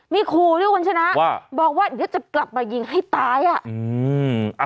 มีครูด้วยว่าคนชนะบอกว่าเดี๋ยวจะกลับมายิงให้ตายอะ